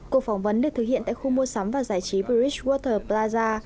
cuộc phỏng vấn được thực hiện tại khu mua sắm và giải trí brightwater plaza